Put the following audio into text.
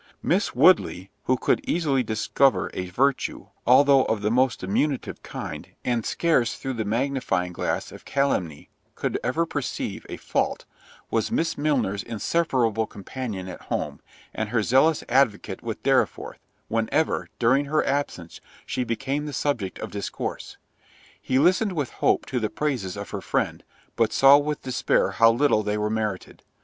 Miss Woodley (who could easily discover a virtue, although of the most diminutive kind, and scarce through the magnifying glass of calumny could ever perceive a fault) was Miss Milner's inseparable companion at home, and her zealous advocate with Dorriforth, whenever, during her absence, she became the subject of discourse. He listened with hope to the praises of her friend, but saw with despair how little they were merited.